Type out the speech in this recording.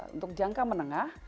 untuk jangka menengah